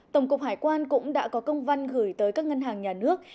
tổng cục hải quan cũng đã có công văn gửi tới các ngân hàng nhà nước